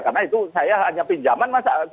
karena itu saya hanya pinjaman